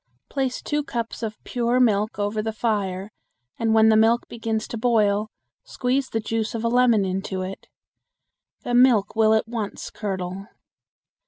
Place two cups of pure milk over the fire and when the milk begins to boil squeeze the juice of a lemon into it. The milk will at once curdle.